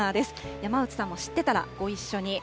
山内さんも知ってたらご一緒に。